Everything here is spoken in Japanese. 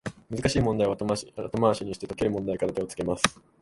難しい問題は後回しにして、解ける問題から手をつけます